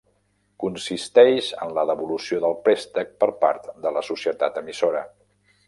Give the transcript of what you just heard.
Consisteix en la devolució del préstec per part de la societat emissora.